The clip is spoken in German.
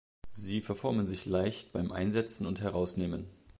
Sie verformen sich leicht beim Einsetzen und Herausnehmen.